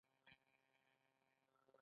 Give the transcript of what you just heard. د ښاروالۍ عواید له صفايي ټکس دي